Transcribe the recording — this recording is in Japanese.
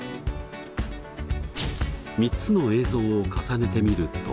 ３つの映像を重ねてみると。